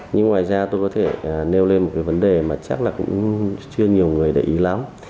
nhưng ngoài ra tôi có thể nêu lên một cái vấn đề mà chắc là cũng chưa nhiều người để ý lắm